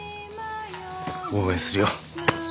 応援するよ。